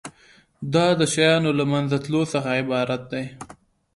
دا د شیانو له منځه تلو څخه عبارت دی.